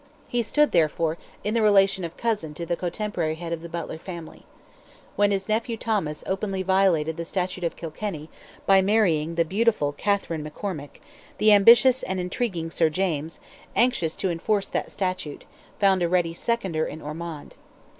He stood, therefore, in the relation of cousin to the cotemporary head of the Butler family. When his nephew Thomas openly violated the Statute of Kilkenny, by marrying the beautiful Catherine McCormac, the ambitious and intriguing Sir James, anxious to enforce that statute, found a ready seconder in Ormond.